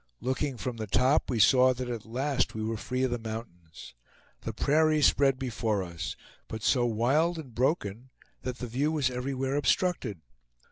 Looking from the top, we saw that at last we were free of the mountains. The prairie spread before us, but so wild and broken that the view was everywhere obstructed.